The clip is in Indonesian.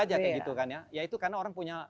aja kayak gitu kan ya yaitu karena orang punya